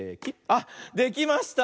あっできました。